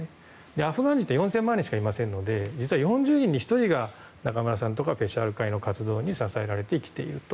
アフガン人って４０００万人しかいませんので４０人に１人は中村さんとかペシャワール会の活動に支えられて生きていると。